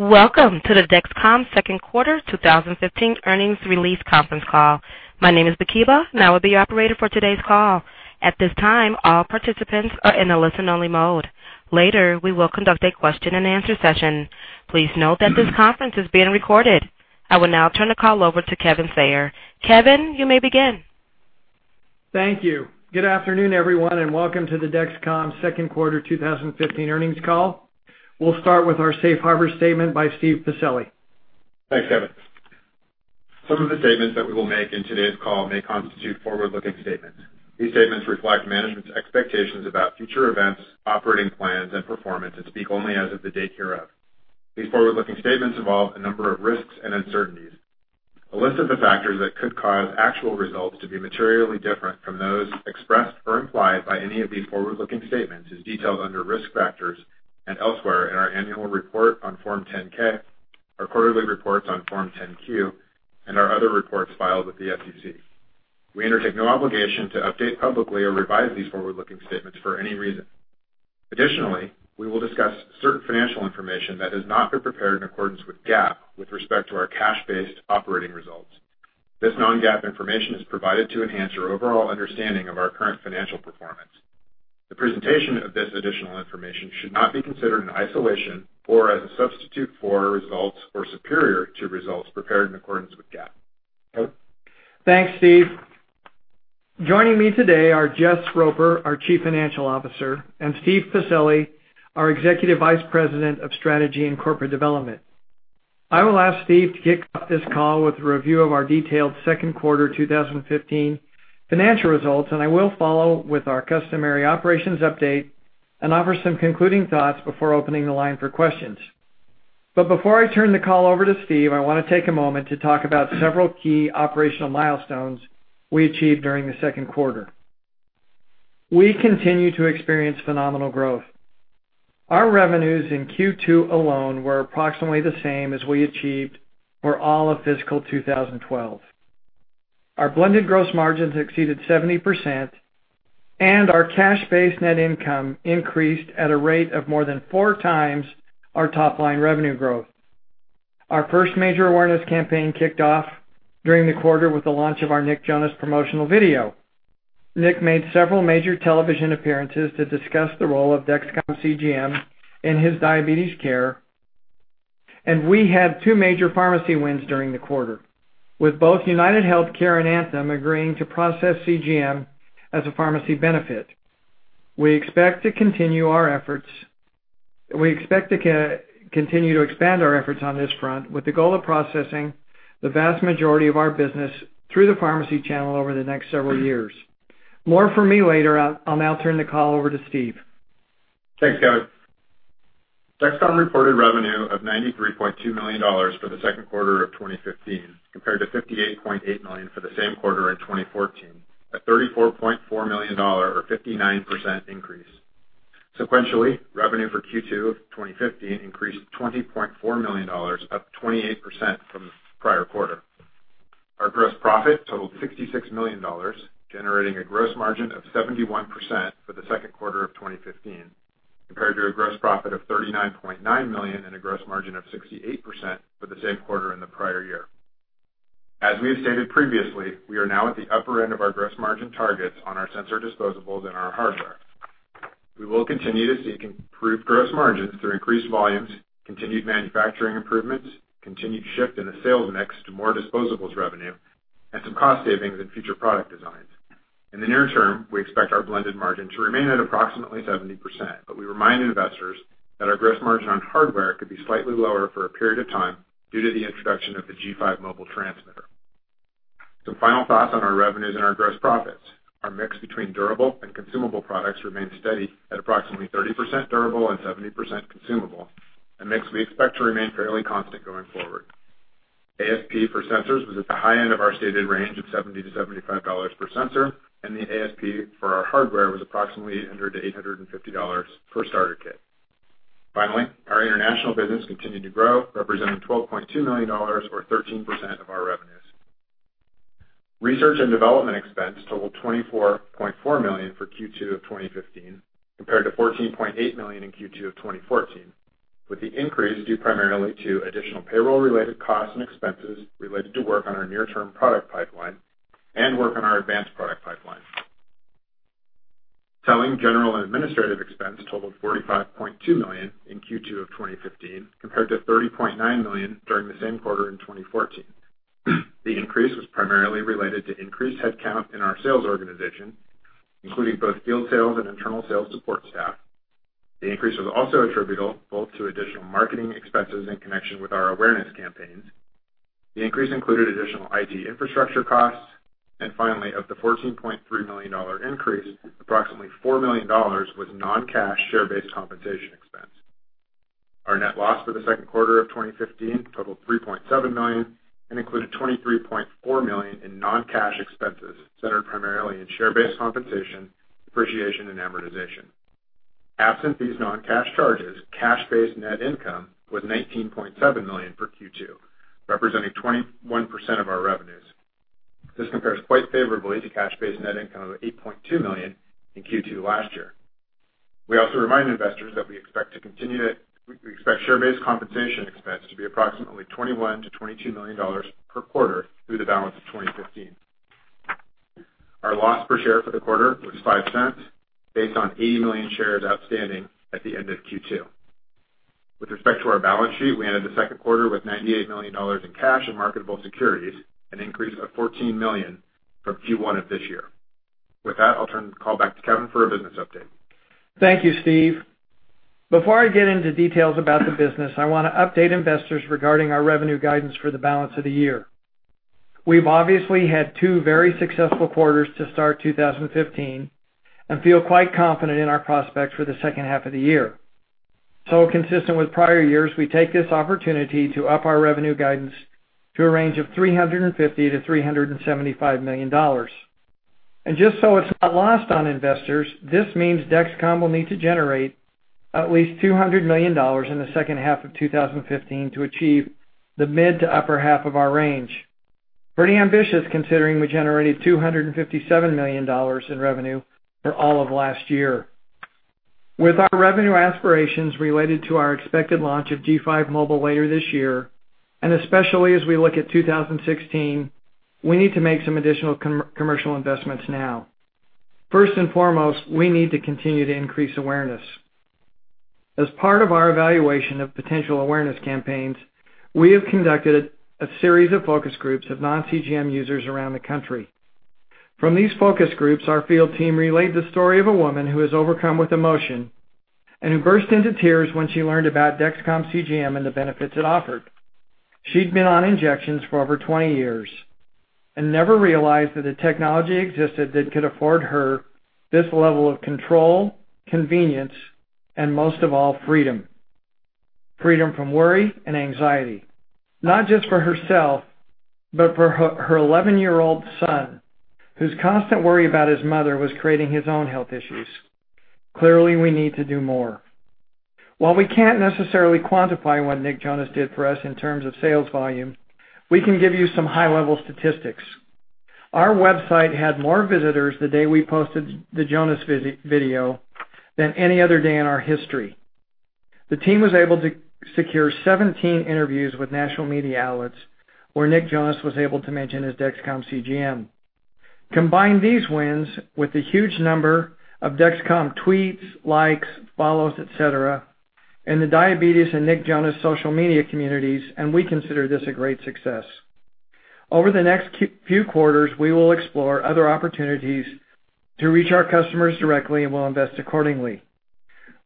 Welcome to the Dexcom Second Quarter 2015 Earnings Release Conference Call. My name is Bakeba and I will be your operator for today's call. At this time, all participants are in a listen-only mode. Later, we will conduct a question-and-answer session. Please note that this conference is being recorded. I will now turn the call over to Kevin Sayer. Kevin, you may begin. Thank you. Good afternoon, everyone, and welcome to the Dexcom second quarter 2015 earnings call. We'll start with our Safe Harbor statement by Steven Pacelli. Thanks, Kevin. Some of the statements that we will make in today's call may constitute forward-looking statements. These statements reflect management's expectations about future events, operating plans, and performance and speak only as of the date hereof. These forward-looking statements involve a number of risks and uncertainties. A list of the factors that could cause actual results to be materially different from those expressed or implied by any of these forward-looking statements is detailed under Risk Factors and elsewhere in our annual report on Form 10-K, our quarterly reports on Form 10-Q, and our other reports filed with the SEC. We undertake no obligation to update publicly or revise these forward-looking statements for any reason. Additionally, we will discuss certain financial information that has not been prepared in accordance with GAAP with respect to our cash-based operating results. This non-GAAP information is provided to enhance your overall understanding of our current financial performance. The presentation of this additional information should not be considered in isolation or as a substitute for results or superior to results prepared in accordance with GAAP. Thanks, Steve. Joining me today are Jess Roper, our Chief Financial Officer, and Steve Pacelli, our Executive Vice President of Strategy and Corporate Development. I will ask Steve to kick off this call with a review of our detailed second quarter 2015 financial results, and I will follow with our customary operations update and offer some concluding thoughts before opening the line for questions. Before I turn the call over to Steve, I wanna take a moment to talk about several key operational milestones we achieved during the second quarter. We continue to experience phenomenal growth. Our revenues in Q2 alone were approximately the same as we achieved for all of fiscal 2012. Our blended gross margins exceeded 70%, and our cash-based net income increased at a rate of more than 4x our top-line revenue growth. Our first major awareness campaign kicked off during the quarter with the launch of our Nick Jonas promotional video. Nick made several major television appearances to discuss the role of Dexcom CGM in his diabetes care, and we had two major pharmacy wins during the quarter, with both UnitedHealthcare and Anthem agreeing to process CGM as a pharmacy benefit. We expect to continue to expand our efforts on this front with the goal of processing the vast majority of our business through the pharmacy channel over the next several years. More from me later. I'll now turn the call over to Steve. Thanks, Kevin. Dexcom reported revenue of $93.2 million for the second quarter of 2015, compared to $58.8 million for the same quarter in 2014, a $34.4 million or 59% increase. Sequentially, revenue for Q2 of 2015 increased $20.4 million, up 28% from the prior quarter. Our gross profit totaled $66 million, generating a gross margin of 71% for the second quarter of 2015, compared to a gross profit of $39.9 million and a gross margin of 68% for the same quarter in the prior year. As we have stated previously, we are now at the upper end of our gross margin targets on our sensor disposables and our hardware. We will continue to seek improved gross margins through increased volumes, continued manufacturing improvements, continued shift in the sales mix to more disposables revenue, and some cost savings in future product designs. In the near term, we expect our blended margin to remain at approximately 70%, but we remind investors that our gross margin on hardware could be slightly lower for a period of time due to the introduction of the G5 Mobile Transmitter. Some final thoughts on our revenues and our gross profits. Our mix between durable and consumable products remained steady at approximately 30% durable and 70% consumable, a mix we expect to remain fairly constant going forward. ASP for sensors was at the high end of our stated range of $70-$75 per sensor, and the ASP for our hardware was approximately $800-$850 per starter kit. Our international business continued to grow, representing $12.2 million or 13% of our revenues. Research and development expense totaled $24.4 million for Q2 of 2015, compared to $14.8 million in Q2 of 2014, with the increase due primarily to additional payroll-related costs and expenses related to work on our near-term product pipeline and work on our advanced product pipeline. Selling, general, and administrative expense totaled $45.2 million in Q2 of 2015, compared to $30.9 million during the same quarter in 2014. The increase was primarily related to increased headcount in our sales organization, including both field sales and internal sales support staff. The increase was also attributable both to additional marketing expenses in connection with our awareness campaigns. The increase included additional IT infrastructure costs. Finally, of the $14.3 million increase, approximately $4 million was non-cash share-based compensation expense. Our net loss for the second quarter of 2015 totaled $3.7 million and included $23.4 million in non-cash expenses that are primarily in share-based compensation, depreciation, and amortization. Absent these non-cash charges, cash-based net income was $19.7 million for Q2, representing 21% of our revenues. This compares quite favorably to cash-based net income of $8.2 million in Q2 last year. We remind investors that we expect share-based compensation expense to be approximately $21 million-$22 million per quarter through the balance of 2015. Our loss per share for the quarter was $0.05, based on 80 million shares outstanding at the end of Q2. With respect to our balance sheet, we ended the second quarter with $98 million in cash and marketable securities, an increase of $14 million from Q1 of this year. With that, I'll turn the call back to Kevin for a business update. Thank you, Steve. Before I get into details about the business, I wanna update investors regarding our revenue guidance for the balance of the year. We've obviously had two very successful quarters to start 2015, and feel quite confident in our prospects for the second half of the year. Consistent with prior years, we take this opportunity to up our revenue guidance to a range of $350 million-$375 million. Just so it's not lost on investors, this means Dexcom will need to generate at least $200 million in the second half of 2015 to achieve the mid to upper half of our range. Pretty ambitious, considering we generated $257 million in revenue for all of last year. With our revenue aspirations related to our expected launch of G5 Mobile later this year, and especially as we look at 2016, we need to make some additional commercial investments now. First and foremost, we need to continue to increase awareness. As part of our evaluation of potential awareness campaigns, we have conducted a series of focus groups of non-CGM users around the country. From these focus groups, our field team relayed the story of a woman who is overcome with emotion and who burst into tears when she learned about Dexcom CGM and the benefits it offered. She'd been on injections for over 20 years and never realized that the technology existed that could afford her this level of control, convenience, and most of all, freedom. Freedom from worry and anxiety, not just for herself, but for her eleven-year-old son, whose constant worry about his mother was creating his own health issues. Clearly, we need to do more. While we can't necessarily quantify what Nick Jonas did for us in terms of sales volume, we can give you some high-level statistics. Our website had more visitors the day we posted the Jonas visit video than any other day in our history. The team was able to secure 17 interviews with national media outlets where Nick Jonas was able to mention his Dexcom CGM. Combine these wins with the huge number of Dexcom tweets, likes, follows, et cetera, in the diabetes and Nick Jonas social media communities, and we consider this a great success. Over the next few quarters, we will explore other opportunities to reach our customers directly, and we'll invest accordingly.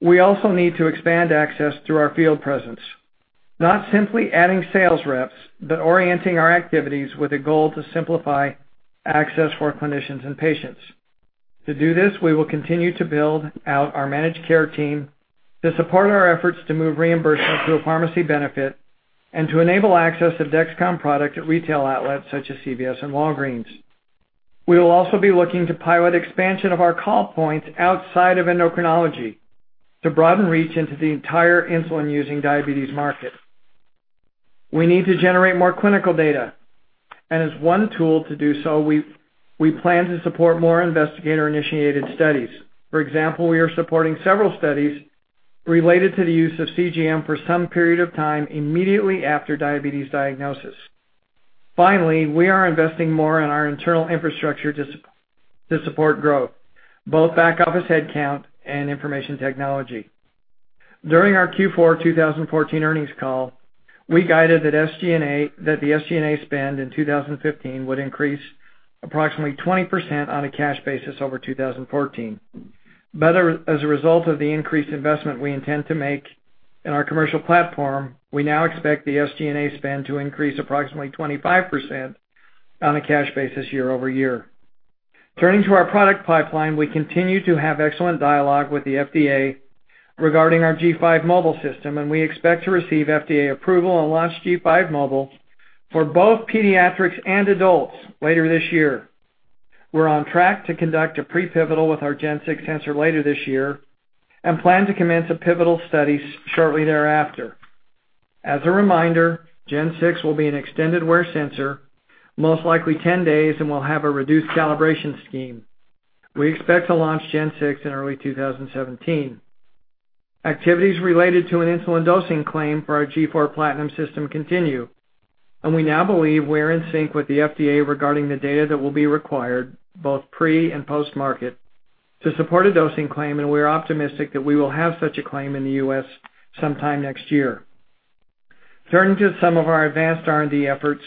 We also need to expand access through our field presence, not simply adding sales reps, but orienting our activities with a goal to simplify access for our clinicians and patients. To do this, we will continue to build out our managed care team to support our efforts to move reimbursement through a pharmacy benefit and to enable access of Dexcom product at retail outlets such as CVS and Walgreens. We will also be looking to pilot expansion of our call points outside of endocrinology to broaden reach into the entire insulin-using diabetes market. We need to generate more clinical data, and as one tool to do so, we plan to support more investigator-initiated studies. For example, we are supporting several studies related to the use of CGM for some period of time immediately after diabetes diagnosis. Finally, we are investing more in our internal infrastructure to support growth, both back-office headcount and information technology. During our Q4 2014 earnings call, we guided that SG&A spend in 2015 would increase approximately 20% on a cash basis over 2014. As a result of the increased investment we intend to make in our commercial platform, we now expect the SG&A spend to increase approximately 25% on a cash basis year-over-year. Turning to our product pipeline, we continue to have excellent dialogue with the FDA regarding our G5 Mobile system, and we expect to receive FDA approval and launch G5 Mobile for both pediatrics and adults later this year. We're on track to conduct a pre-pivotal with our Gen Six sensor later this year and plan to commence a pivotal study shortly thereafter. As a reminder, Gen Six will be an extended wear sensor, most likely 10 days, and will have a reduced calibration scheme. We expect to launch Gen Six in early 2017. Activities related to an insulin dosing claim for our G4 PLATINUM system continue, and we now believe we're in sync with the FDA regarding the data that will be required, both pre and post-market, to support a dosing claim, and we're optimistic that we will have such a claim in the U.S. sometime next year. Turning to some of our advanced R&D efforts,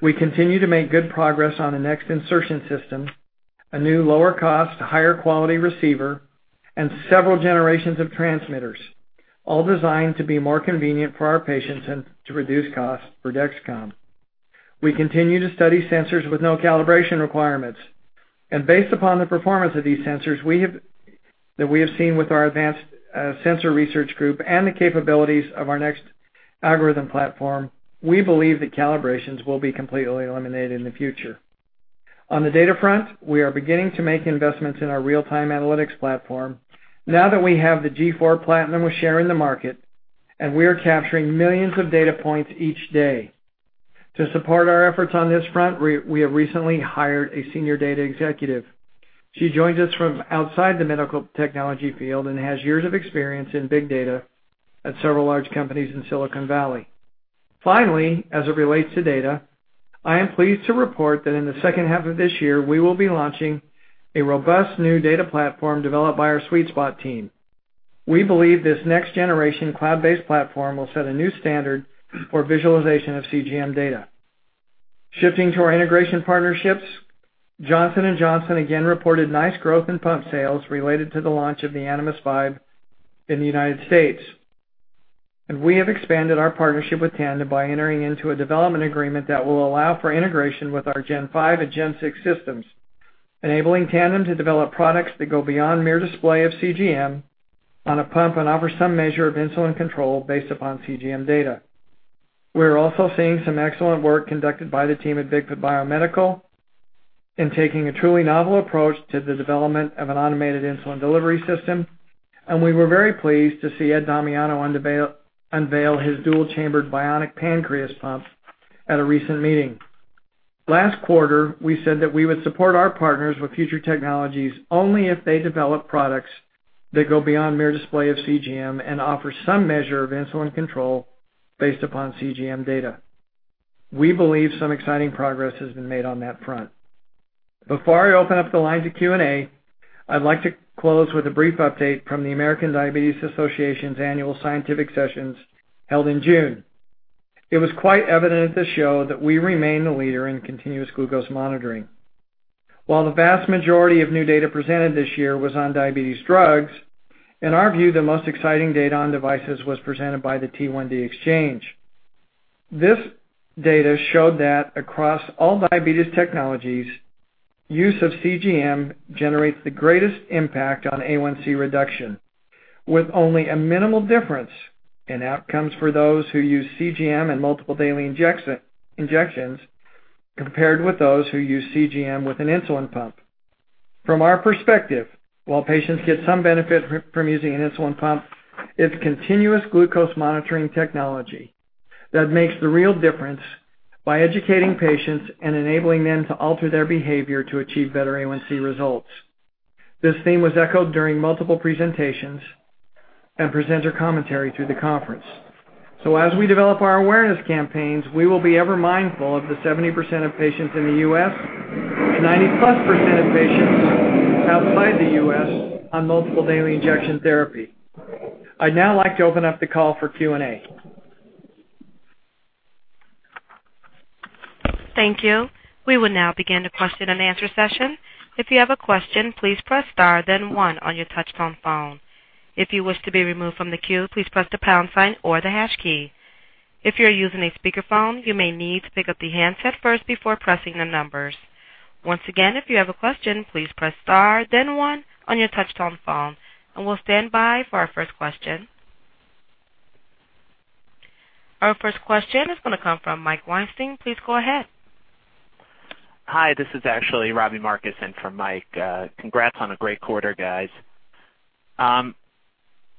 we continue to make good progress on the next insertion system, a new lower cost, higher quality receiver, and several generations of transmitters, all designed to be more convenient for our patients and to reduce costs for Dexcom. We continue to study sensors with no calibration requirements, and based upon the performance of these sensors that we have seen with our advanced sensor research group and the capabilities of our next algorithm platform, we believe that calibrations will be completely eliminated in the future. On the data front, we are beginning to make investments in our real-time analytics platform now that we have the G4 PLATINUM we're shaping the market. We are capturing millions of data points each day. To support our efforts on this front, we have recently hired a senior data executive. She joins us from outside the medical technology field and has years of experience in big data at several large companies in Silicon Valley. Finally, as it relates to data, I am pleased to report that in the second half of this year, we will be launching a robust new data platform developed by our SweetSpot team. We believe this next generation cloud-based platform will set a new standard for visualization of CGM data. Shifting to our integration partnerships, Johnson & Johnson again reported nice growth in pump sales related to the launch of the Animas Vibe in the United States. We have expanded our partnership with Tandem by entering into a development agreement that will allow for integration with our G5 and G6 systems, enabling Tandem to develop products that go beyond mere display of CGM on a pump and offer some measure of insulin control based upon CGM data. We're also seeing some excellent work conducted by the team at Bigfoot Biomedical in taking a truly novel approach to the development of an automated insulin delivery system. We were very pleased to see Ed Damiano unveil his dual-chambered Bionic Pancreas pump at a recent meeting. Last quarter, we said that we would support our partners with future technologies only if they develop products that go beyond mere display of CGM and offer some measure of insulin control based upon CGM data. We believe some exciting progress has been made on that front. Before I open up the lines of Q&A, I'd like to close with a brief update from the American Diabetes Association's annual scientific sessions held in June. It was quite evident at the show that we remain the leader in continuous glucose monitoring. While the vast majority of new data presented this year was on diabetes drugs, in our view, the most exciting data on devices was presented by the T1D Exchange. This data showed that across all diabetes technologies, use of CGM generates the greatest impact on A1C reduction, with only a minimal difference in outcomes for those who use CGM and multiple daily injections compared with those who use CGM with an insulin pump. From our perspective, while patients get some benefit from using an insulin pump, it's continuous glucose monitoring technology that makes the real difference by educating patients and enabling them to alter their behavior to achieve better A1C results. This theme was echoed during multiple presentations and presenter commentary through the conference. As we develop our awareness campaigns, we will be ever mindful of the 70% of patients in the U.S., and 90%+ of patients outside the U.S. on multiple daily injection therapy. I'd now like to open up the call for Q&A. Thank you. We will now begin the question and answer session. If you have a question, please press star then one on your touch tone phone. If you wish to be removed from the queue, please press the pound sign or the hash key. If you're using a speaker phone, you may need to pick up the handset first before pressing the numbers. Once again, if you have a question, please press star then one on your touch tone phone, and we'll stand by for our first question. Our first question is gonna come from Mike Weinstein. Please go ahead. Hi, this is actually Robbie Marcus in for Mike. Congrats on a great quarter, guys.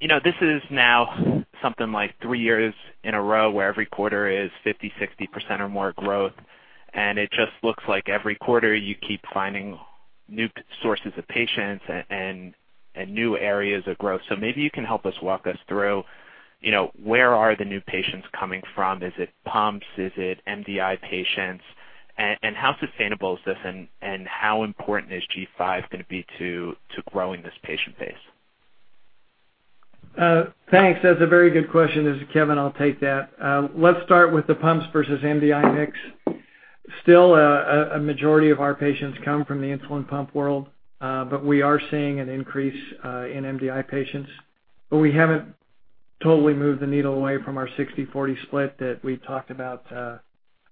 You know, this is now something like 3 years in a row where every quarter is 50, 60% or more growth, and it just looks like every quarter you keep finding new sources of patients and new areas of growth. Maybe you can help us walk us through, you know, where are the new patients coming from? Is it pumps? Is it MDI patients? How sustainable is this, and how important is G5 gonna be to growing this patient base? Thanks. That's a very good question. This is Kevin. I'll take that. Let's start with the pumps versus MDI mix. Still, a majority of our patients come from the insulin pump world, but we are seeing an increase in MDI patients, but we haven't totally moved the needle away from our 60-40 split that we talked about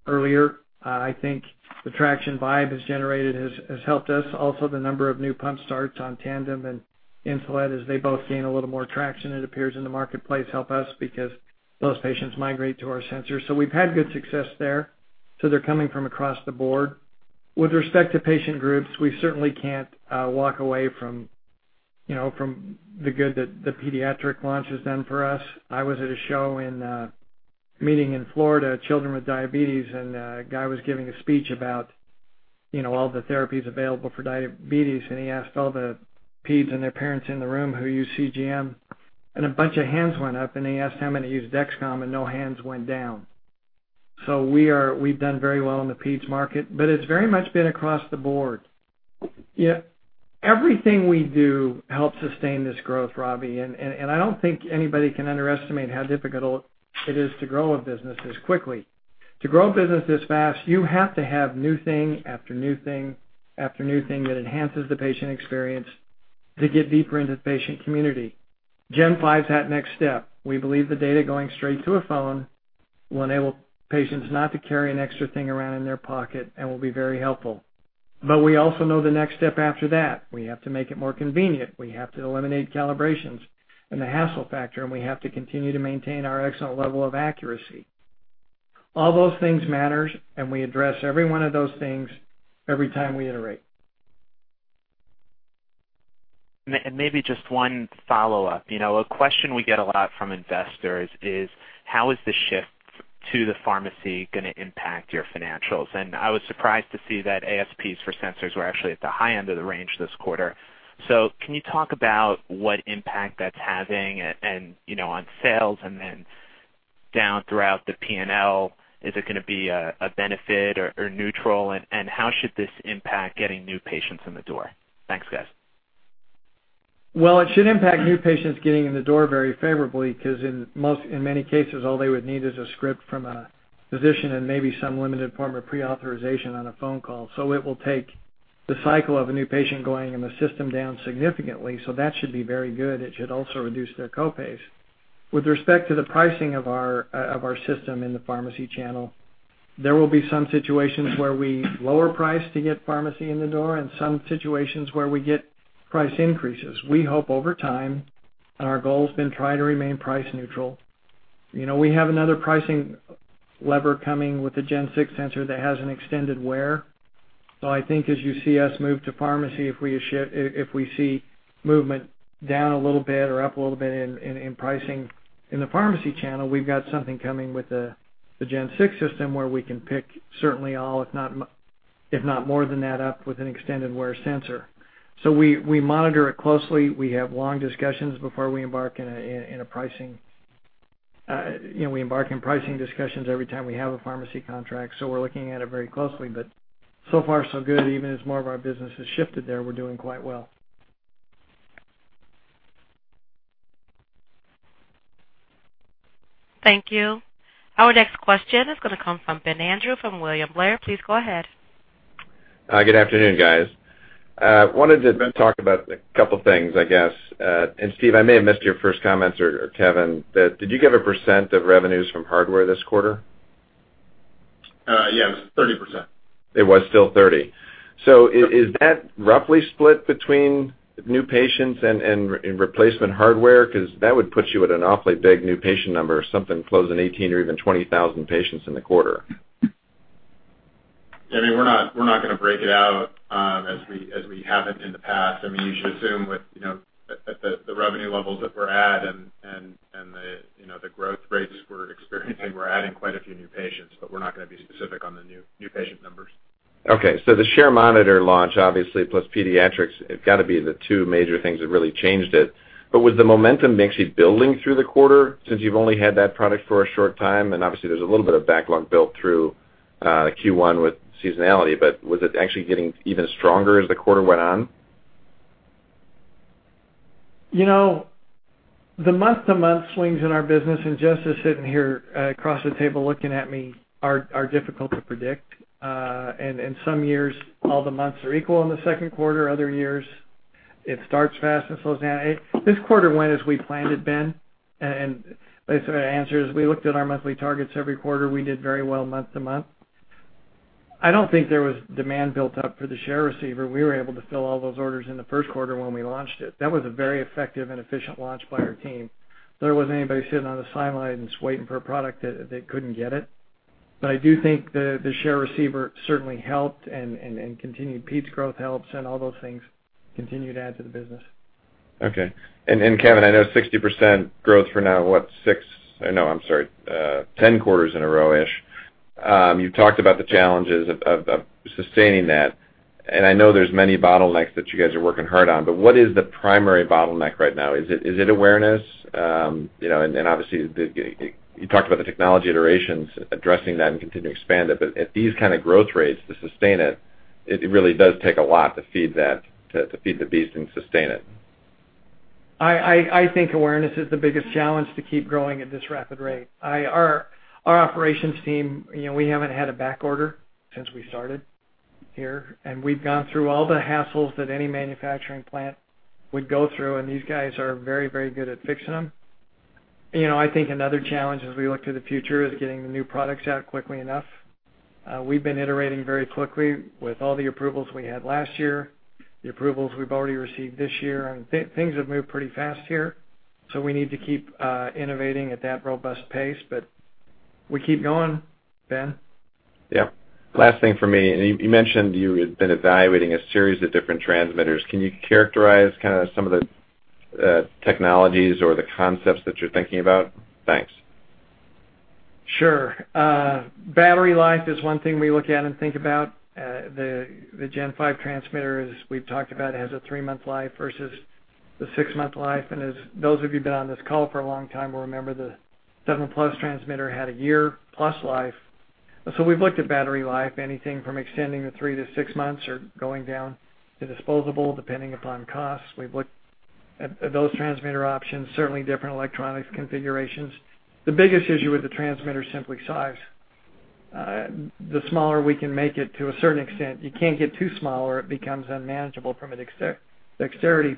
earlier. I think the traction Vibe has generated has helped us. Also, the number of new pump starts on Tandem and Insulet as they both gain a little more traction it appears in the marketplace help us because those patients migrate to our sensors. We've had good success there, so they're coming from across the board. With respect to patient groups, we certainly can't walk away from, you know, from the good that the pediatric launch has done for us. I was at a show in a meeting in Florida, Children with Diabetes, and a guy was giving a speech about, you know, all the therapies available for diabetes, and he asked all the peds and their parents in the room who use CGM, and a bunch of hands went up, and he asked how many use Dexcom, and no hands went down. We've done very well in the peds market, but it's very much been across the board. Yeah, everything we do helps sustain this growth, Robbie, and I don't think anybody can underestimate how difficult it is to grow a business this quickly. To grow a business this fast, you have to have new thing after new thing after new thing that enhances the patient experience to get deeper into the patient community. G5's that next step. We believe the data going straight to a phone will enable patients not to carry an extra thing around in their pocket and will be very helpful. We also know the next step after that. We have to make it more convenient. We have to eliminate calibrations and the hassle factor, and we have to continue to maintain our excellent level of accuracy. All those things matters, and we address every one of those things every time we iterate. Maybe just one follow-up. You know, a question we get a lot from investors is how is the shift to the pharmacy going to impact your financials? I was surprised to see that ASPs for sensors were actually at the high end of the range this quarter. Can you talk about what impact that's having and, you know, on sales and then down throughout the PNL? Is it going to be a benefit or neutral? How should this impact getting new patients in the door? Thanks, guys. Well, it should impact new patients getting in the door very favorably because in many cases, all they would need is a script from a physician and maybe some limited form of pre-authorization on a phone call. It will take the cycle of a new patient going in the system down significantly. That should be very good. It should also reduce their co-pays. With respect to the pricing of our of our system in the pharmacy channel, there will be some situations where we lower price to get pharmacy in the door and some situations where we get price increases. We hope over time, and our goal has been try to remain price neutral. You know, we have another pricing lever coming with the Gen Six sensor that has an extended wear. I think as you see us move to pharmacy, if we see movement down a little bit or up a little bit in pricing in the pharmacy channel, we've got something coming with the Gen Six system where we can pick certainly all, if not more than that, up with an extended wear sensor. We monitor it closely. We have long discussions before we embark in pricing discussions every time we have a pharmacy contract, you know, so we're looking at it very closely. So far so good. Even as more of our business has shifted there, we're doing quite well. Thank you. Our next question is going to come from Ben Andrew from William Blair. Please go ahead. Hi. Good afternoon, guys. Wanted to talk about a couple of things, I guess. Steve, I may have missed your first comments, or Kevin. Did you give a % of revenues from hardware this quarter? Yes, 30%. It was still 30. Is that roughly split between new patients and replacement hardware? Because that would put you at an awfully big new patient number, something close to 18 or even 20,000 patients in the quarter. I mean, we're not going to break it out as we haven't in the past. I mean, you should assume with you know at the revenue levels that we're at and the growth rates we're experiencing, we're adding quite a few new patients, but we're not going to be specific on the new patient numbers. Okay. The Share Monitor launch, obviously, plus pediatrics have got to be the two major things that really changed it. Was the momentum actually building through the quarter since you've only had that product for a short time? Obviously, there's a little bit of backlog built through Q1 with seasonality, but was it actually getting even stronger as the quarter went on? You know, the month-to-month swings in our business and just sitting here across the table from me are difficult to predict. In some years, all the months are equal in the second quarter. Other years, it starts fast and slows down. This quarter went as we planned it, Ben. Basically the answer is, we looked at our monthly targets every quarter. We did very well month-to-month. I don't think there was demand built up for the share receiver. We were able to fill all those orders in the first quarter when we launched it. That was a very effective and efficient launch by our team. There wasn't anybody sitting on the sidelines just waiting for a product that they couldn't get. I do think the share receiver certainly helped and continued Pete's growth helps and all those things continue to add to the business. Okay. Kevin, I know 60% growth for now, what? 10 quarters in a row-ish. You talked about the challenges of sustaining that. I know there's many bottlenecks that you guys are working hard on, but what is the primary bottleneck right now? Is it awareness? You know, and obviously, you talked about the technology iterations addressing that and continue to expand it. At these kind of growth rates to sustain it really does take a lot to feed that, to feed the beast and sustain it. I think awareness is the biggest challenge to keep growing at this rapid rate. Our operations team, you know, we haven't had a back order since we started here, and we've gone through all the hassles that any manufacturing plant would go through, and these guys are very, very good at fixing them. You know, I think another challenge as we look to the future is getting the new products out quickly enough. We've been iterating very quickly with all the approvals we had last year, the approvals we've already received this year, and things have moved pretty fast here. We need to keep innovating at that robust pace, but we keep going, Ben. Yeah. Last thing for me. You mentioned you had been evaluating a series of different transmitters. Can you characterize kind of some of the technologies or the concepts that you're thinking about? Thanks. Sure. Battery life is one thing we look at and think about. The Gen Five transmitter, as we've talked about, has a 3-month life versus the 6-month life. As those of you been on this call for a long time will remember, the Seven Plus transmitter had a year-plus life. We've looked at battery life, anything from extending the 3 to 6 months or going down to disposable, depending upon costs. We've looked at those transmitter options, certainly different electronics configurations. The biggest issue with the transmitter is simply size. The smaller we can make it to a certain extent, you can't get too small or it becomes unmanageable from a dexterity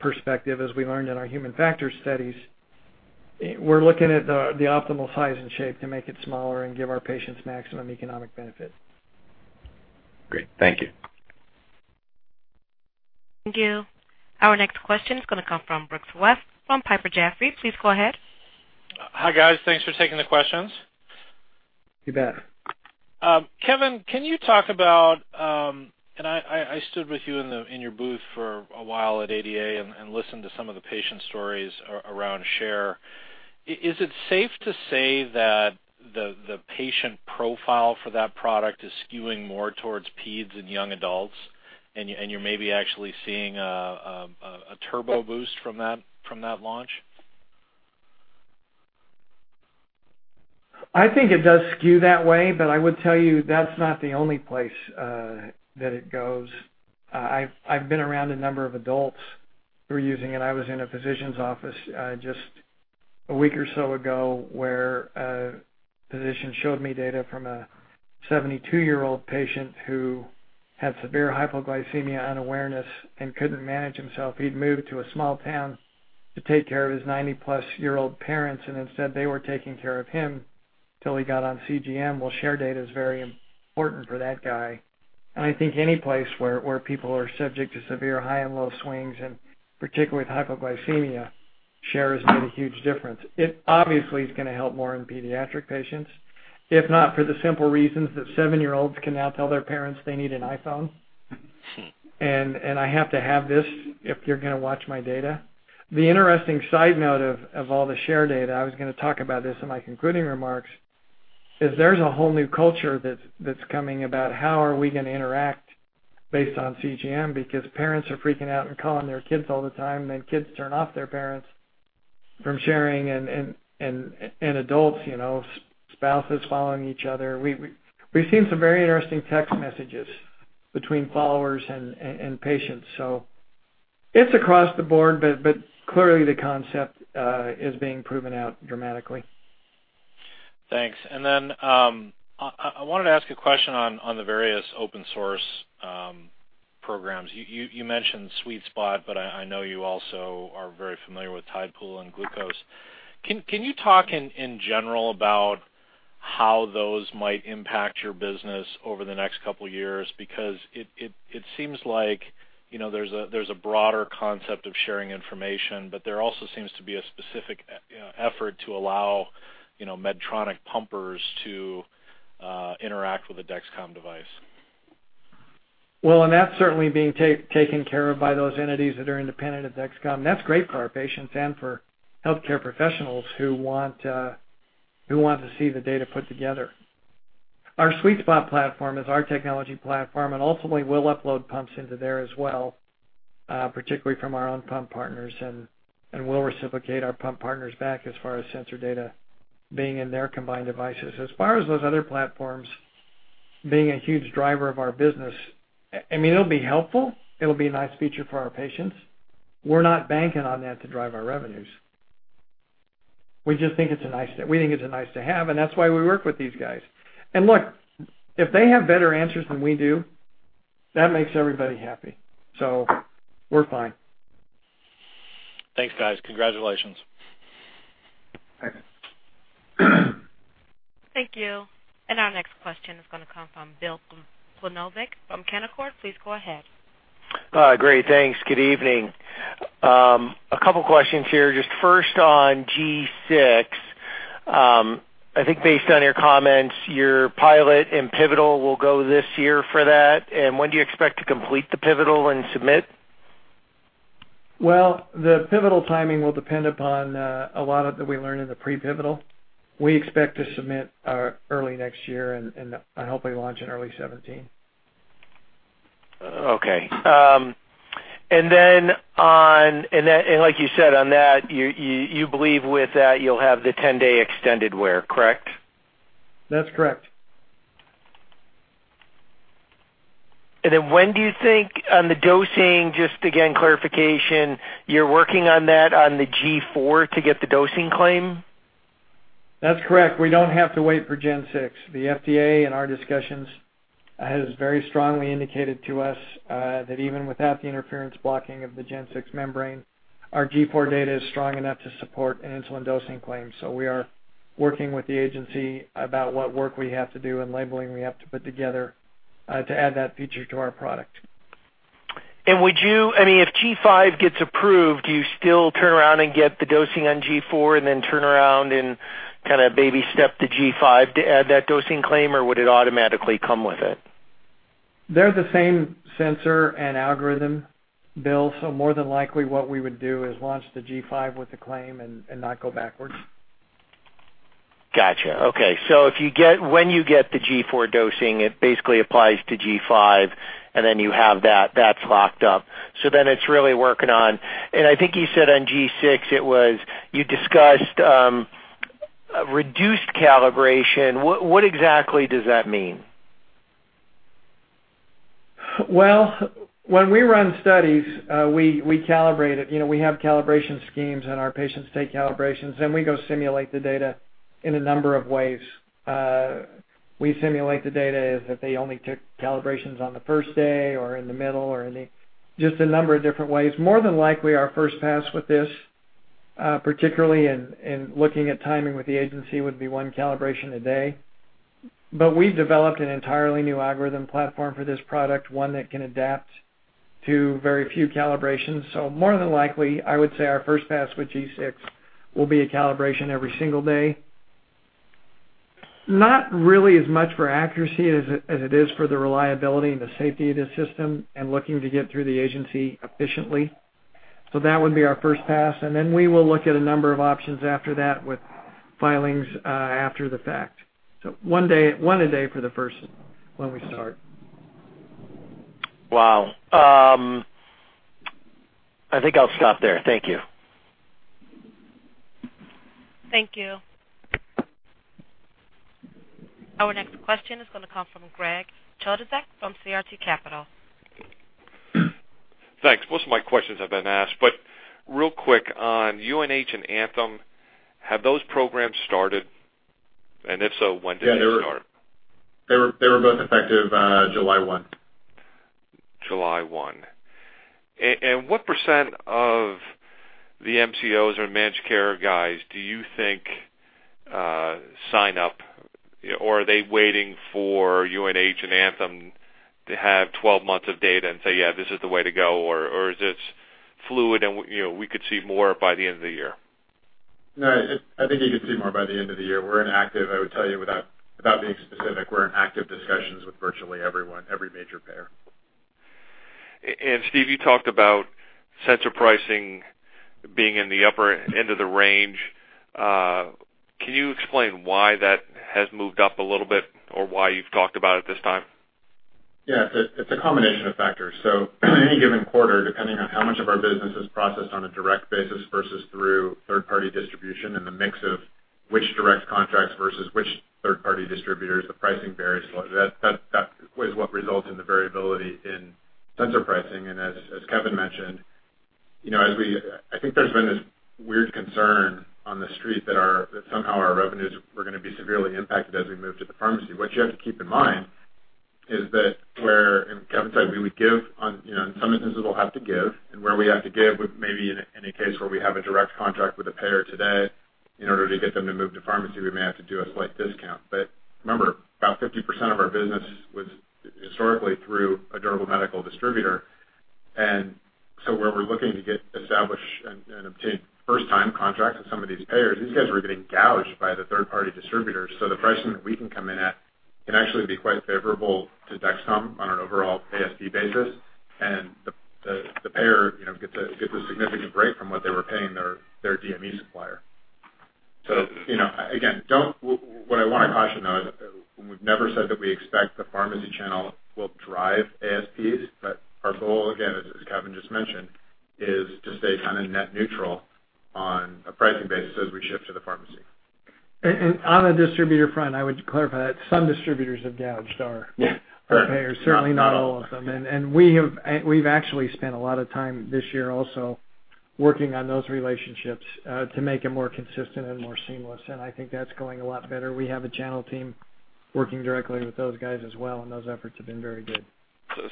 perspective, as we learned in our human factor studies. We're looking at the optimal size and shape to make it smaller and give our patients maximum economic benefit. Great. Thank you. Thank you. Our next question is going to come from Brooks West from Piper Jaffray. Please go ahead. Hi, guys. Thanks for taking the questions. You bet. Kevin, can you talk about and I stood with you in your booth for a while at ADA and listened to some of the patient stories around Share. Is it safe to say that the patient profile for that product is skewing more towards peds and young adults, and you may be actually seeing a turbo boost from that launch? I think it does skew that way, but I would tell you that's not the only place that it goes. I've been around a number of adults who are using it. I was in a physician's office just a week or so ago, where a physician showed me data from a 72-year-old patient who had severe hypoglycemia unawareness and couldn't manage himself. He'd moved to a small town to take care of his 90+-year-old parents, and instead they were taking care of him till he got on CGM. Well, Share data is very important for that guy. I think any place where people are subject to severe high and low swings, and particularly with hypoglycemia, Share has made a huge difference. It obviously is gonna help more in pediatric patients, if not for the simple reasons that seven-year-olds can now tell their parents they need an iPhone. I have to have this if you're gonna watch my data. The interesting side note of all the share data, I was gonna talk about this in my concluding remarks, is there's a whole new culture that's coming about how are we gonna interact based on CGM because parents are freaking out and calling their kids all the time, and kids turn off their parents from sharing. Adults, you know, spouses following each other. We've seen some very interesting text messages between followers and patients. It's across the board, but clearly the concept is being proven out dramatically. Thanks. Then, I wanted to ask a question on the various open source programs. You mentioned SweetSpot, but I know you also are very familiar with Tidepool and Glooko. Can you talk in general about how those might impact your business over the next couple of years? Because it seems like, you know, there's a broader concept of sharing information, but there also seems to be a specific, you know, effort to allow, you know, Medtronic pumpers to interact with a Dexcom device. That's certainly being taken care of by those entities that are independent of Dexcom. That's great for our patients and for healthcare professionals who want to see the data put together. Our SweetSpot platform is our technology platform, and ultimately we'll upload pumps into there as well, particularly from our own pump partners, and we'll reciprocate our pump partners back as far as sensor data being in their combined devices. As far as those other platforms being a huge driver of our business, I mean, it'll be helpful. It'll be a nice feature for our patients. We're not banking on that to drive our revenues. We just think it's a nice to have, and that's why we work with these guys. Look, if they have better answers than we do, that makes everybody happy, so we're fine. Thanks, guys. Congratulations. Bye. Thank you. Our next question is gonna come from Bill Plovanic from Canaccord. Please go ahead. Great. Thanks. Good evening. A couple questions here. Just first on G6. I think based on your comments, your pilot and pivotal will go this year for that, and when do you expect to complete the pivotal and submit? Well, the pivotal timing will depend upon a lot of that we learn in the pre-pivotal. We expect to submit early next year and hopefully launch in early 2017. Okay. Like you said on that, you believe with that you'll have the 10-day extended wear, correct? That's correct. When do you think on the dosing, just again, clarification, you're working on that on the G4 to get the dosing claim? That's correct. We don't have to wait for Gen 6. The FDA in our discussions has very strongly indicated to us that even without the interference blocking of the Gen 6 membrane, our G4 data is strong enough to support insulin dosing claims. We are working with the agency about what work we have to do and labeling we have to put together to add that feature to our product. Would you, I mean, if G5 gets approved, do you still turn around and get the dosing on G4 and then turn around and kinda baby step to G5 to add that dosing claim, or would it automatically come with it? They're the same sensor and algorithm, Bill, so more than likely what we would do is launch the G5 with the claim and not go backwards. Gotcha. Okay. When you get the G4 dosing, it basically applies to G5, and then you have that's locked up. It's really working on I think you said on G6 it was, you discussed, reduced calibration. What exactly does that mean? Well, when we run studies, we calibrate it. You know, we have calibration schemes, and our patients take calibrations, and we go simulate the data in a number of ways. We simulate the data as if they only took calibrations on the first day or in the middle or any, just a number of different ways. More than likely our first pass with this, particularly in looking at timing with the agency would be one calibration a day. But we've developed an entirely new algorithm platform for this product, one that can adapt to very few calibrations. So more than likely, I would say our first pass with G6 will be a calibration every single day. Not really as much for accuracy as it is for the reliability and the safety of this system and looking to get through the agency efficiently. That would be our first pass, and then we will look at a number of options after that with filings, after the fact. One a day for the first when we start. Wow. I think I'll stop there. Thank you. Thank you. Our next question is gonna come from Greg Chodaczek from CRT Capital. Thanks. Most of my questions have been asked, but real quick on UNH and Anthem, have those programs started? If so, when did they start? Yeah. They were both effective July 1. July 1. What % of the MCOs or managed care guys do you think sign up? Or are they waiting for UNH and Anthem to have 12 months of data and say, "Yeah, this is the way to go," or is this fluid and we, you know, could see more by the end of the year? No, I think you could see more by the end of the year. I would tell you without being specific, we're in active discussions with virtually everyone, every major payer. Steve, you talked about sensor pricing being in the upper end of the range. Can you explain why that has moved up a little bit or why you've talked about it this time? Yeah. It's a combination of factors. Any given quarter, depending on how much of our business is processed on a direct basis versus through third-party distribution and the mix of which direct contracts versus which third party distributors, the pricing varies. That is what results in the variability in sensor pricing. As Kevin mentioned, you know, as we, I think there's been this weird concern on the street that our, that somehow our revenues were gonna be severely impacted as we move to the pharmacy. What you have to keep in mind is that where, and Kevin said, we would give on, you know, in some instances, we'll have to give. In a case where we have a direct contract with a payer today, in order to get them to move to pharmacy, we may have to do a slight discount. Remember, about 50% of our business was historically through a durable medical distributor. Where we're looking to get established and obtain first time contracts with some of these payers, these guys were getting gouged by the third-party distributors. The pricing that we can come in at can actually be quite favorable to Dexcom on an overall ASP basis. The payer, you know, gets a significant break from what they were paying their DME supplier. You know, again, what I wanna caution, though, we've never said that we expect the pharmacy channel will drive ASPs, but our goal, again, as Kevin just mentioned, is to stay kind of net neutral on a pricing basis as we shift to the pharmacy. On the distributor front, I would clarify that some distributors have gouged our payers. Not all of them. Certainly not all of them. We've actually spent a lot of time this year also working on those relationships to make it more consistent and more seamless, and I think that's going a lot better. We have a channel team working directly with those guys as well, and those efforts have been very good.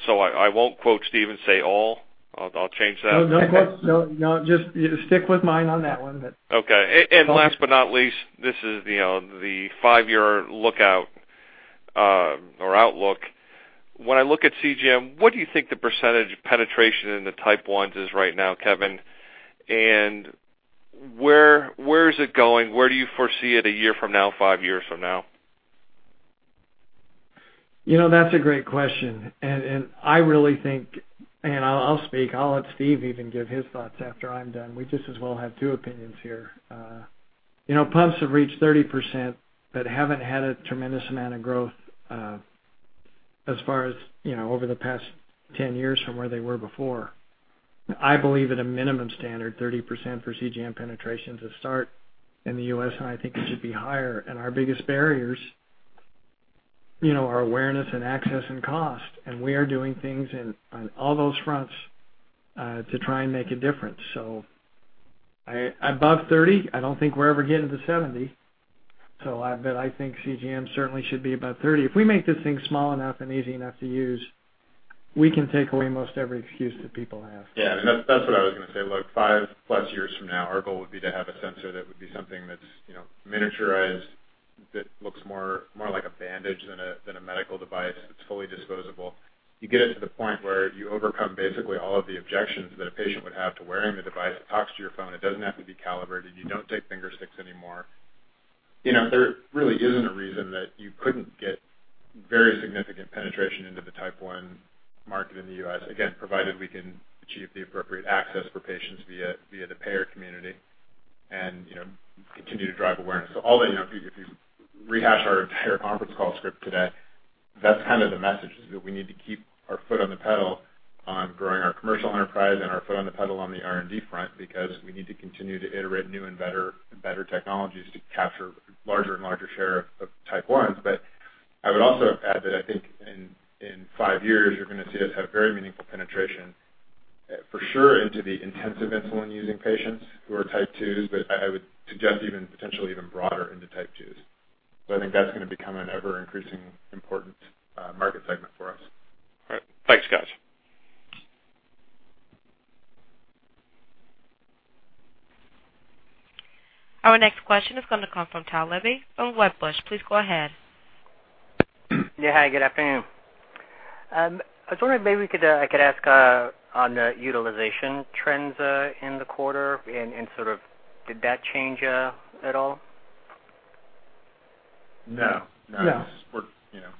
I won't quote Steve and say all. I'll change that. No, don't quote. No, no. Just stick with mine on that one, but. Okay. And last but not least, this is, you know, the five-year outlook. When I look at CGM, what do you think the percentage of penetration in the Type 1s is right now, Kevin? Where is it going? Where do you foresee it a year from now, five years from now? You know, that's a great question. I really think, and I'll speak. I'll let Steve give his thoughts after I'm done. We just as well have two opinions here. You know, pumps have reached 30% but haven't had a tremendous amount of growth, as far as, you know, over the past 10 years from where they were before. I believe at a minimum standard, 30% for CGM penetration to start in the U.S., and I think it should be higher. Our biggest barriers, you know, are awareness and access and cost. We are doing things in on all those fronts to try and make a difference. So above 30, I don't think we're ever getting to 70. So I bet, I think CGM certainly should be above 30. If we make this thing small enough and easy enough to use, we can take away most every excuse that people have. Yeah. That, that's what I was gonna say. Look, 5+ years from now, our goal would be to have a sensor that would be something that's, you know, miniaturized, that looks more like a bandage than a medical device. It's fully disposable. You get it to the point where you overcome basically all of the objections that a patient would have to wearing the device. It talks to your phone. It doesn't have to be calibrated. You don't take finger sticks anymore. You know, there really isn't a reason that you couldn't get very significant penetration into the Type 1 market in the U.S. Again, provided we can achieve the appropriate access for patients via the payer community and, you know, continue to drive awareness. All that, you know, if you rehash our entire conference call script today, that's kind of the message, is that we need to keep our foot on the pedal on growing our commercial enterprise and our foot on the pedal on the R&D front because we need to continue to iterate new and better technologies to capture larger and larger share of type 1s. I would also add that I think in 5 years, you're gonna see us have very meaningful penetration for sure into the intensive insulin using patients who are type 2s, but I would suggest even potentially broader into type 2s. I think that's gonna become an ever-increasing important market segment for us. All right. Thanks, guys. Our next question is going to come from Tao Levy from Wedbush. Please go ahead. Yeah. Hi, good afternoon. I was wondering I could ask on the utilization trends in the quarter and sort of did that change at all? No. No. No. You know,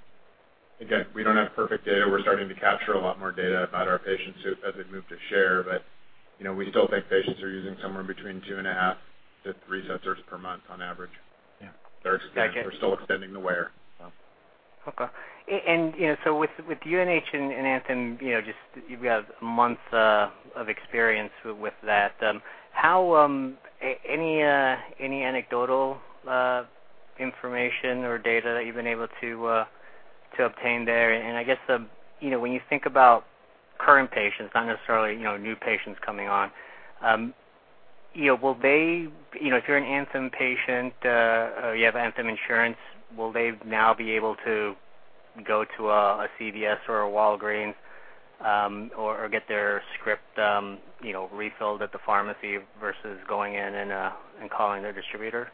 again, we don't have perfect data. We're starting to capture a lot more data about our patients as we move to Share. You know, we still think patients are using somewhere between 2.5-3 sensors per month on average. Yeah. They're ex- Got it. They're still extending the wear, so. Okay. You know, so with UNH and Anthem, you know, just you've got months of experience with that. How? Any anecdotal information or data that you've been able to obtain there? I guess, you know, when you think about current patients, not necessarily, you know, new patients coming on, you know, will they, you know, if you're an Anthem patient, or you have Anthem insurance, will they now be able to go to a CVS or a Walgreens, or get their script, you know, refilled at the pharmacy versus going in and calling their distributor?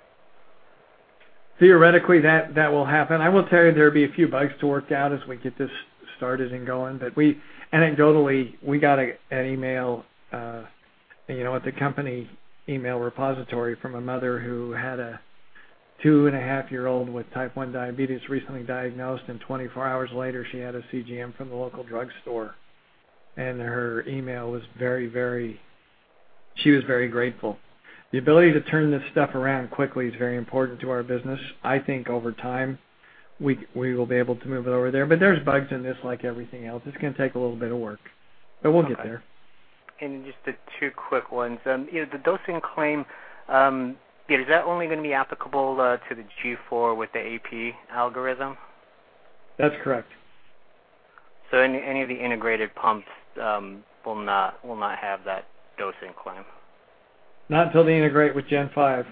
Theoretically, that will happen. I will tell you there'll be a few bugs to work out as we get this started and going. But anecdotally, we got an email, you know, at the company email repository from a mother who had a 2.5-year-old with Type 1 diabetes recently diagnosed, and 24 hours later, she had a CGM from the local drugstore. Her email was very, very. She was very grateful. The ability to turn this stuff around quickly is very important to our business. I think over time, we will be able to move it over there. But there's bugs in this like everything else. It's gonna take a little bit of work. Okay. We'll get there. Just two quick ones. You know, the dosing claim is that only gonna be applicable to the G4 with the AP algorithm? That's correct. Any of the integrated pumps will not have that dosing claim? Not until they integrate with Gen 5.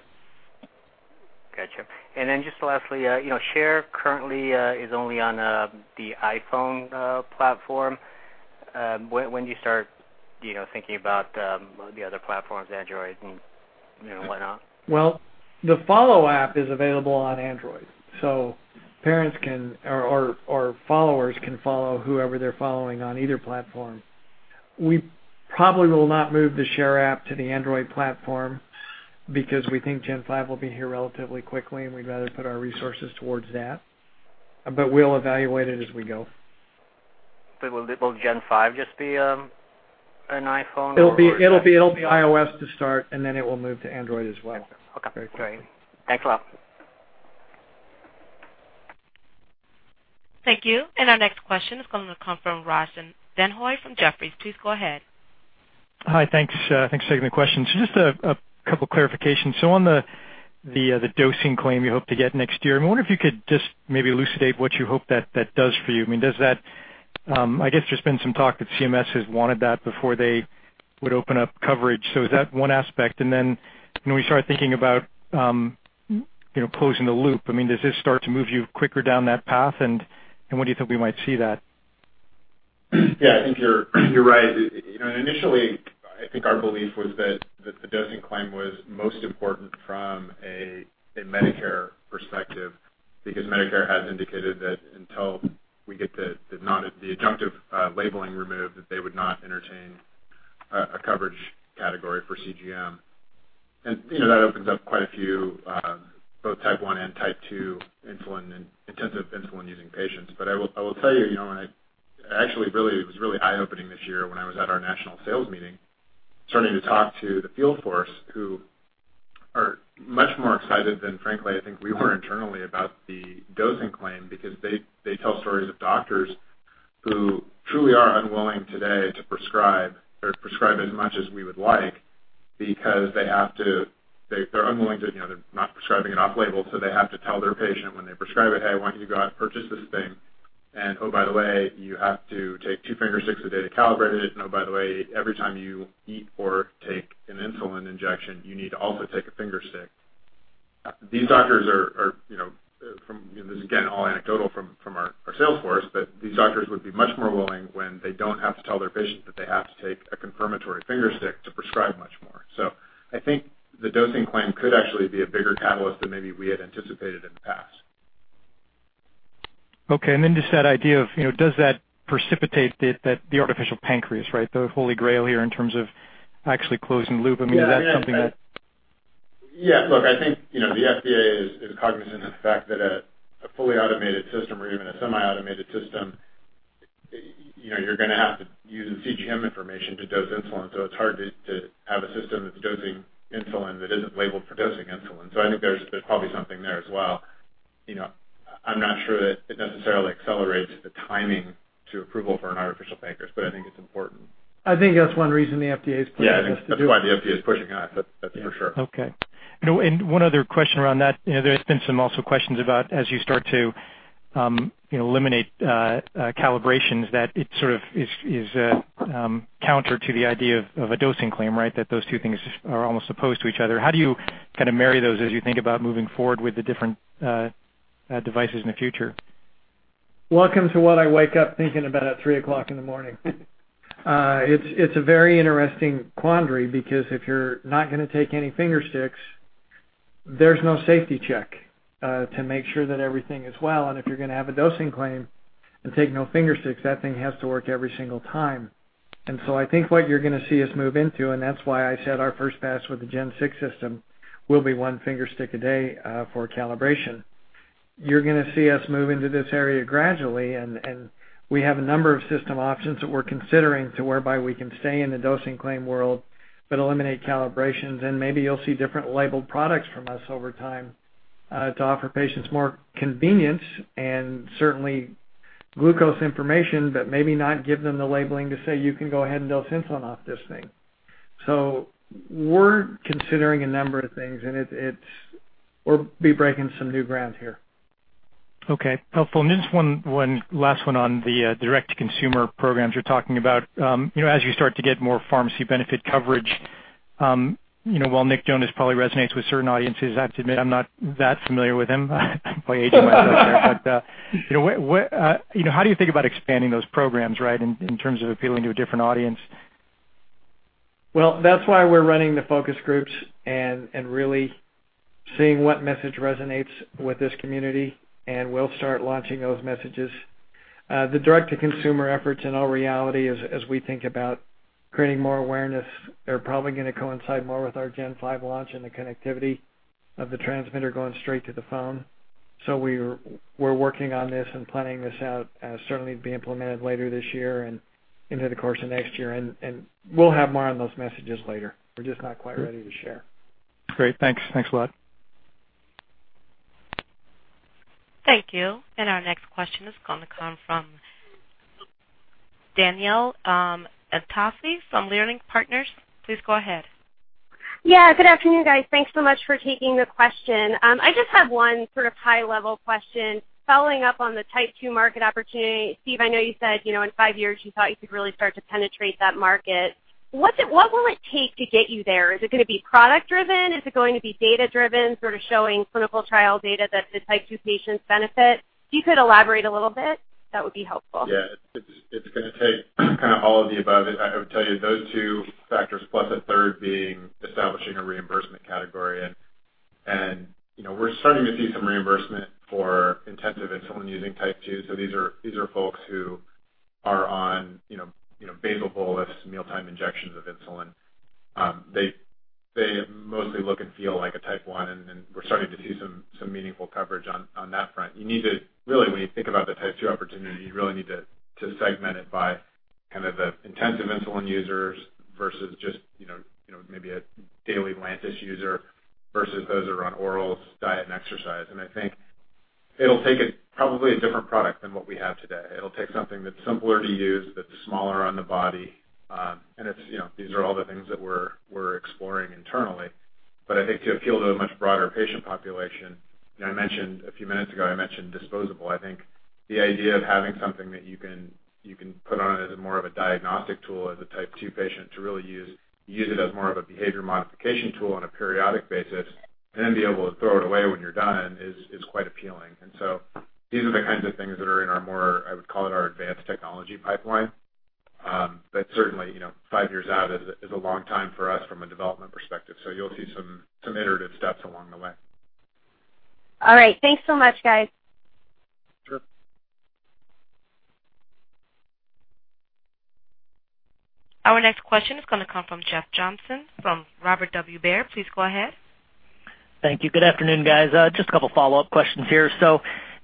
Gotcha. Just lastly, you know, Share currently is only on the iPhone platform. When do you start, you know, thinking about the other platforms, Android and, you know, whatnot? Well, the Follow app is available on Android, so parents can or followers can follow whoever they're following on either platform. We probably will not move the Share app to the Android platform because we think Gen 5 will be here relatively quickly, and we'd rather put our resources towards that. We'll evaluate it as we go. Will Gen 5 just be an iPhone or? It'll be iOS to start, and then it will move to Android as well. Okay. Very quickly. Great. Thanks a lot. Thank you. Our next question is going to come from Raj Denhoy from Jefferies. Please go ahead. Hi. Thanks. Thanks for taking the question. Just a couple clarifications. On the dosing claim you hope to get next year, I wonder if you could just maybe elucidate what you hope that does for you. I mean, does that. I guess there's been some talk that CMS has wanted that before they would open up coverage. Is that one aspect? Then, you know, when we start thinking about, you know, closing the loop, I mean, does this start to move you quicker down that path, and when do you think we might see that? Yeah, I think you're right. You know, initially I think our belief was that the dosing claim was most important from a Medicare perspective because Medicare has indicated that until we get the non-adjunctive labeling removed, that they would not entertain a coverage category for CGM. You know, that opens up quite a few both Type 1 and Type 2 insulin and intensive insulin-using patients. I will tell you know. It was really eye-opening this year when I was at our national sales meeting, starting to talk to the field force who are much more excited than frankly I think we were internally about the dosing claim because they tell stories of doctors who truly are unwilling today to prescribe or prescribe as much as we would like. They're unwilling to, you know, they're not prescribing it off label, so they have to tell their patient when they prescribe it, "Hey, why don't you go out and purchase this thing? and oh, by the way, you have to take two finger sticks a day to calibrate it. Oh, by the way, every time you eat or take an insulin injection, you need to also take a finger stick." These doctors are, you know, you know, this is, again, all anecdotal from our sales force, but these doctors would be much more willing when they don't have to tell their patients that they have to take a confirmatory finger stick to prescribe much more. I think the dosing claim could actually be a bigger catalyst than maybe we had anticipated in the past. Okay. Just that idea of, you know, does that precipitate the artificial pancreas, right? The holy grail here in terms of actually closing the loop. I mean, is that something that Yeah. I mean, yeah. Look, I think, you know, the FDA is cognizant of the fact that a fully automated system or even a semi-automated system, you know, you're gonna have to use the CGM information to dose insulin, so it's hard to have a system that's dosing insulin that isn't labeled for dosing insulin. So I think there's probably something there as well. You know, I'm not sure that it necessarily accelerates the timing to approval for an artificial pancreas, but I think it's important. I think that's one reason the FDA's pushing us to do it. Yeah. I think that's why the FDA is pushing us. That's for sure. Okay. You know, one other question around that. You know, there's been some also questions about as you start to eliminate calibrations, that it sort of is counter to the idea of a dosing claim, right? That those two things are almost opposed to each other. How do you kind of marry those as you think about moving forward with the different devices in the future? Welcome to what I wake up thinking about at 3:00 A.M. It's a very interesting quandary because if you're not gonna take any finger sticks, there's no safety check to make sure that everything is well. If you're gonna have a dosing claim and take no finger sticks, that thing has to work every single time. I think what you're gonna see us move into, and that's why I said our first pass with the Gen six system will be one finger stick a day for calibration. You're gonna see us move into this area gradually, and we have a number of system options that we're considering whereby we can stay in the dosing claim world, but eliminate calibrations, and maybe you'll see different labeled products from us over time, to offer patients more convenience and certainly glucose information, but maybe not give them the labeling to say you can go ahead and dose insulin off this thing. We're considering a number of things, and we'll be breaking some new ground here. Okay. Helpful. Just one last one on the direct to consumer programs you're talking about. You know, as you start to get more pharmacy benefit coverage, you know, while Nick Jonas probably resonates with certain audiences, I have to admit I'm not that familiar with him. I'm probably aging myself here. You know, what you know, how do you think about expanding those programs, right, in terms of appealing to a different audience? Well, that's why we're running the focus groups and really seeing what message resonates with this community, and we'll start launching those messages. The direct to consumer efforts in all reality as we think about creating more awareness are probably gonna coincide more with our Gen five launch and the connectivity of the transmitter going straight to the phone. We're working on this and planning this out, certainly to be implemented later this year and into the course of next year. We'll have more on those messages later. We're just not quite ready to share. Great. Thanks. Thanks a lot. Thank you. Our next question is gonna come from Danielle Antalffy from Leerink Partners. Please go ahead. Yeah, good afternoon, guys. Thanks so much for taking the question. I just have one sort of high level question. Following up on the type two market opportunity. Steve, I know you said, you know, in 5 years you thought you could really start to penetrate that market. What will it take to get you there? Is it gonna be product driven? Is it going to be data-driven, sort of showing clinical trial data that the type two patients benefit? If you could elaborate a little bit, that would be helpful. Yeah. It's gonna take kind of all of the above. I would tell you those 2 factors plus a third being establishing a reimbursement category. You know, we're starting to see some reimbursement for intensive insulin using type 2. These are folks who are on you know basal bolus mealtime injections of insulin. They mostly look and feel like a type 1, and then we're starting to see some meaningful coverage on that front. You need to really, when you think about the type 2 opportunity, you really need to segment it by kind of the intensive insulin users versus just you know maybe a daily Lantus user versus those who are on orals diet and exercise. I think it'll take probably a different product than what we have today. It'll take something that's simpler to use, that's smaller on the body. It's, you know, these are all the things that we're exploring internally. I think to appeal to a much broader patient population, you know, I mentioned a few minutes ago, I mentioned disposable. I think the idea of having something that you can put on as more of a diagnostic tool as a type two patient to really use it as more of a behavior modification tool on a periodic basis and then be able to throw it away when you're done is quite appealing. These are the kinds of things that are in our more, I would call it our advanced technology pipeline. Certainly, you know, five years out is a long time for us from a development perspective, so you'll see some iterative steps along the way. All right. Thanks so much, guys. Sure. Our next question is gonna come from Jeff Johnson from Robert W. Baird. Please go ahead. Thank you. Good afternoon, guys. Just a couple follow-up questions here.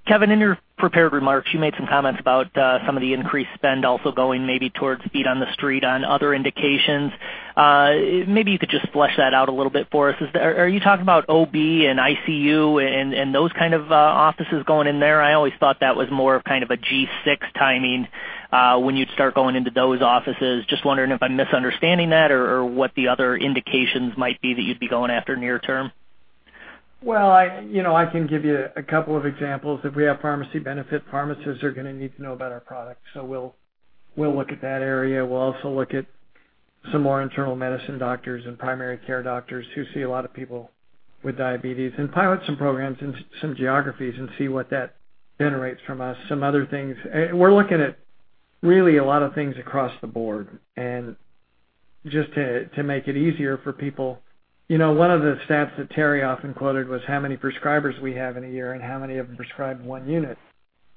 Kevin, in your prepared remarks, you made some comments about some of the increased spend also going maybe towards feet on the street on other indications. Maybe you could just flesh that out a little bit for us. Are you talking about OB and ICU and those kind of offices going in there? I always thought that was more of kind of a G6 timing when you'd start going into those offices. Just wondering if I'm misunderstanding that or what the other indications might be that you'd be going after near term. Well, you know, I can give you a couple of examples. If we have pharmacy benefit, pharmacists are gonna need to know about our product. We'll look at that area. We'll also look at some more internal medicine doctors and primary care doctors who see a lot of people with diabetes and pilot some programs in some geographies and see what that generates from us. Some other things. We're looking at really a lot of things across the board. Just to make it easier for people, you know, one of the stats that Terry often quoted was how many prescribers we have in a year and how many of them prescribe one unit.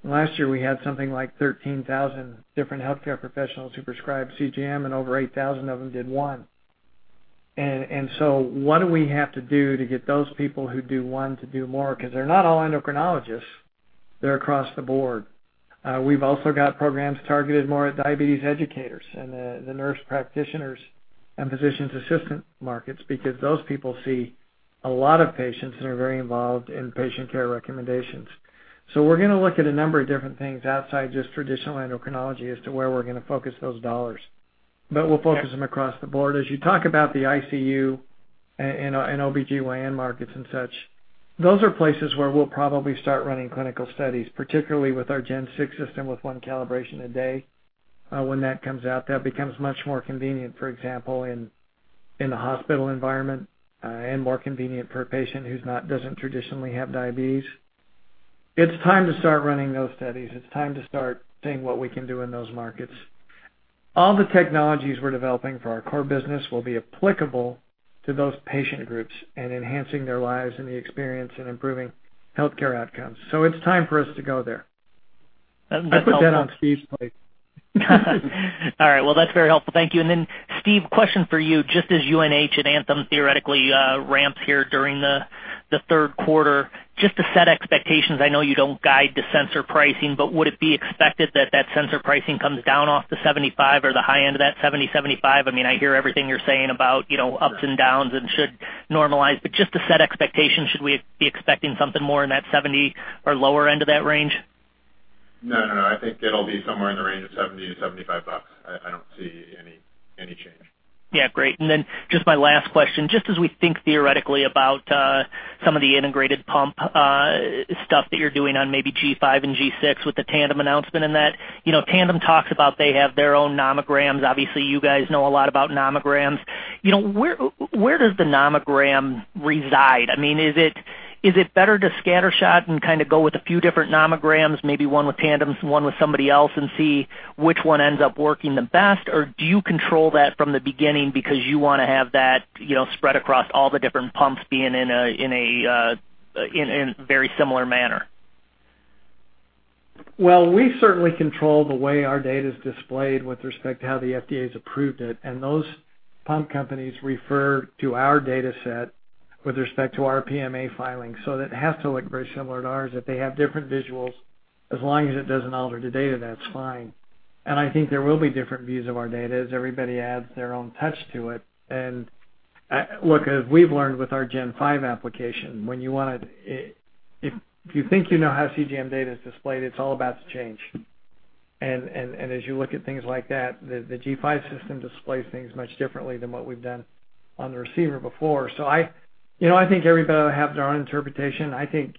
Last year we had something like 13,000 different healthcare professionals who prescribed CGM, and over 8,000 of them did one. So what do we have to do to get those people who do one to do more? 'Cause they're not all endocrinologists. They're across the board. We've also got programs targeted more at diabetes educators and the nurse practitioners and physician assistant markets because those people see a lot of patients and are very involved in patient care recommendations. We're gonna look at a number of different things outside just traditional endocrinology as to where we're gonna focus those dollars. We'll focus them across the board. As you talk about the ICU and OBGYN markets and such, those are places where we'll probably start running clinical studies, particularly with our Gen six system, with one calibration a day, when that comes out. That becomes much more convenient, for example, in the hospital environment, and more convenient for a patient who doesn't traditionally have diabetes. It's time to start running those studies. It's time to start seeing what we can do in those markets. All the technologies we're developing for our core business will be applicable to those patient groups and enhancing their lives and the experience and improving healthcare outcomes. It's time for us to go there. That's helpful. I put that on Steve's plate. All right, well, that's very helpful. Thank you. Then, Steve, question for you. Just as UNH and Anthem theoretically ramped here during the third quarter, just to set expectations, I know you don't guide the sensor pricing, but would it be expected that that sensor pricing comes down off the $75 or the high end of that $70-$75? I mean, I hear everything you're saying about, you know, ups and downs and should normalize. Just to set expectations, should we be expecting something more in that $70 or lower end of that range? No. I think it'll be somewhere in the range of $70-$75. I don't see any change. Yeah, great. Just my last question. Just as we think theoretically about some of the integrated pump stuff that you're doing on maybe G5 and G6 with the Tandem announcement in that. You know, Tandem talks about they have their own nomograms. Obviously, you guys know a lot about nomograms. You know, where does the nomogram reside? I mean, is it better to scattershot and kinda go with a few different nomograms, maybe one with Tandem, one with somebody else, and see which one ends up working the best? Or do you control that from the beginning because you wanna have that, you know, spread across all the different pumps being in very similar manner? Well, we certainly control the way our data is displayed with respect to how the FDA has approved it, and those pump companies refer to our data set with respect to our PMA filing. It has to look very similar to ours. If they have different visuals, as long as it doesn't alter the data, that's fine. I think there will be different views of our data as everybody adds their own touch to it. Look, as we've learned with our G5 application, when you want to, if you think you know how CGM data is displayed, it's all about to change. As you look at things like that, the G5 system displays things much differently than what we've done on the receiver before. You know, I think everybody will have their own interpretation. I think.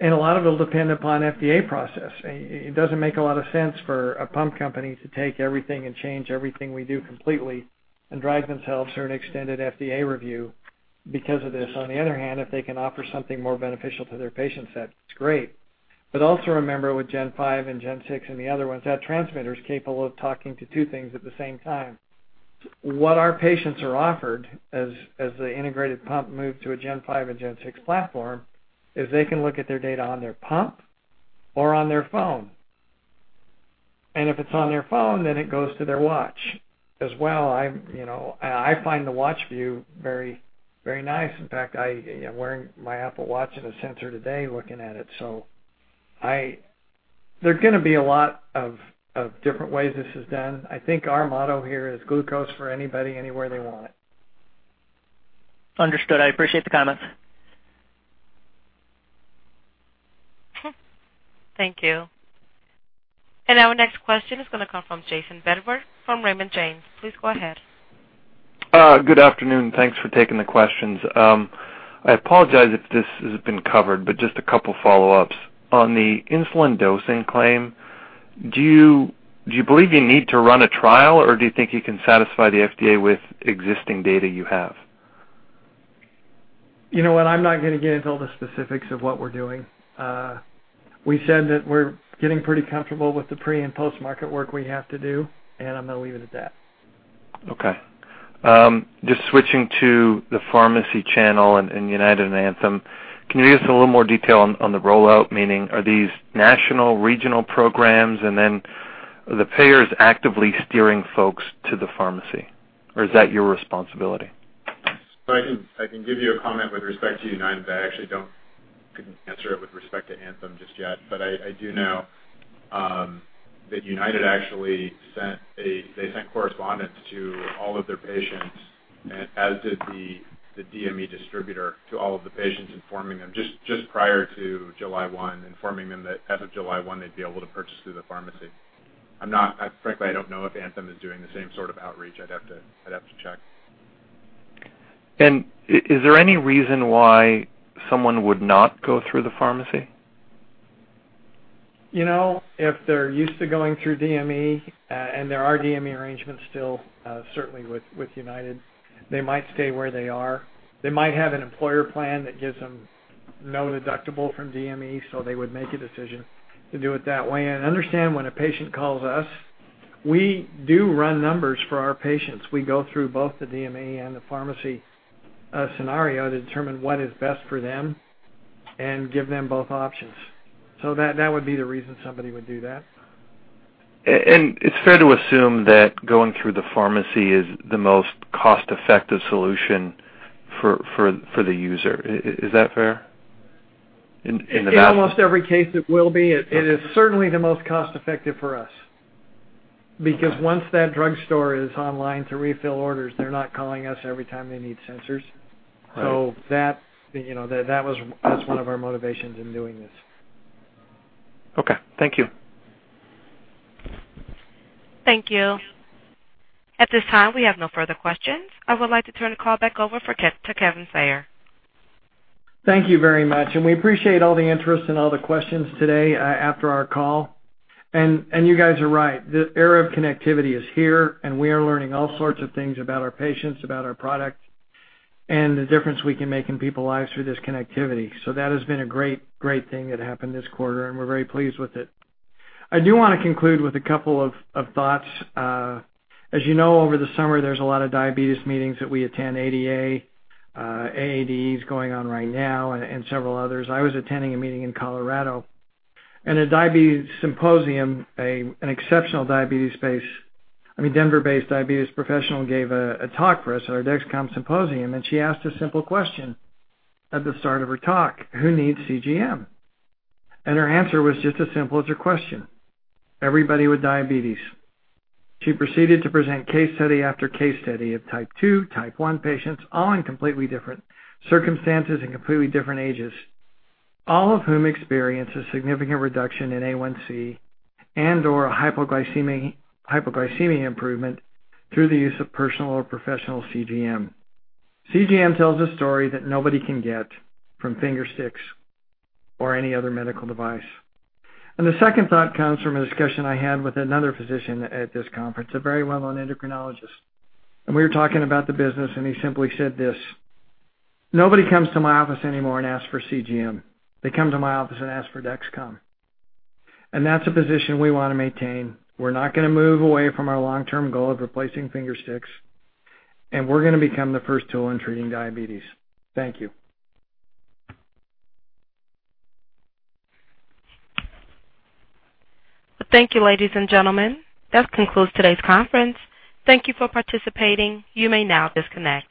A lot of it will depend upon FDA process. It doesn't make a lot of sense for a pump company to take everything and change everything we do completely and drive themselves through an extended FDA review because of this. On the other hand, if they can offer something more beneficial to their patient set, it's great. But also remember with Gen five and Gen six and the other ones, that transmitter is capable of talking to two things at the same time. What our patients are offered as the integrated pump moved to a Gen five and Gen six platform, is they can look at their data on their pump or on their phone. If it's on their phone, then it goes to their watch as well. I find the watch view very, very nice. In fact, I am wearing my Apple Watch and a sensor today looking at it. There are gonna be a lot of different ways this is done. I think our motto here is glucose for anybody, anywhere they want it. Understood. I appreciate the comments. Thank you. Our next question is gonna come from Jayson Bedford from Raymond James. Please go ahead. Good afternoon. Thanks for taking the questions. I apologize if this has been covered, but just a couple follow-ups. On the insulin dosing claim, do you believe you need to run a trial, or do you think you can satisfy the FDA with existing data you have? You know what? I'm not gonna get into all the specifics of what we're doing. We said that we're getting pretty comfortable with the pre- and post-market work we have to do, and I'm gonna leave it at that. Okay. Just switching to the pharmacy channel and United and Anthem. Can you give us a little more detail on the rollout? Meaning are these national, regional programs? Are the payers actively steering folks to the pharmacy, or is that your responsibility? I can give you a comment with respect to United. I actually couldn't answer it with respect to Anthem just yet. I do know that United actually sent correspondence to all of their patients, as did the DME distributor, to all of the patients informing them just prior to July one, informing them that as of July one, they'd be able to purchase through the pharmacy. Frankly, I don't know if Anthem is doing the same sort of outreach. I'd have to check. Is there any reason why someone would not go through the pharmacy? You know, if they're used to going through DME, and there are DME arrangements still, certainly with United, they might stay where they are. They might have an employer plan that gives them no deductible from DME, so they would make a decision to do it that way. Understand when a patient calls us, we do run numbers for our patients. We go through both the DME and the pharmacy scenario to determine what is best for them and give them both options. That would be the reason somebody would do that. It's fair to assume that going through the pharmacy is the most cost-effective solution for the user. Is that fair? In the In almost every case, it will be. It is certainly the most cost-effective for us. Okay. Because once that drugstore is online to refill orders, they're not calling us every time they need sensors. Right. That's one of our motivations in doing this. Okay, thank you. Thank you. At this time, we have no further questions. I would like to turn the call back over to Kevin Sayer. Thank you very much, and we appreciate all the interest and all the questions today after our call. You guys are right. The era of connectivity is here, and we are learning all sorts of things about our patients, about our product, and the difference we can make in people's lives through this connectivity. That has been a great thing that happened this quarter, and we're very pleased with it. I do wanna conclude with a couple of thoughts. As you know, over the summer, there's a lot of diabetes meetings that we attend, ADA, AADE is going on right now and several others. I was attending a meeting in Colorado. In a diabetes symposium, an exceptional Denver-based diabetes professional gave a talk for us at our Dexcom symposium, and she asked a simple question at the start of her talk: "Who needs CGM?" Her answer was just as simple as her question. "Everybody with diabetes." She proceeded to present case study after case study of type 2, type 1 patients, all in completely different circumstances and completely different ages, all of whom experienced a significant reduction in A1C and/or hypoglycemic improvement through the use of personal or professional CGM. CGM tells a story that nobody can get from finger sticks or any other medical device. The second thought comes from a discussion I had with another physician at this conference, a very well-known endocrinologist. We were talking about the business, and he simply said this: "Nobody comes to my office anymore and asks for CGM. They come to my office and ask for Dexcom." That's a position we wanna maintain. We're not gonna move away from our long-term goal of replacing finger sticks, and we're gonna become the first tool in treating diabetes. Thank you. Thank you, ladies and gentlemen. That concludes today's conference. Thank you for participating. You may now disconnect.